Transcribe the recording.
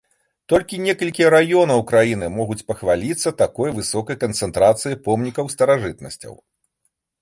Толькі некалькі раёнаў краіны могуць пахваліцца такой высокай канцэнтрацыяй помнікаў старажытнасцяў.